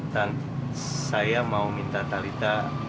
saya mau minta talita